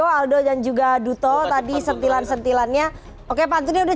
negara jangan gunakan untuk berkuasa oke terima kasih penutup pantunya dari